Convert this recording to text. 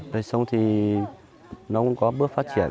rồi xong thì nó cũng có bước phát triển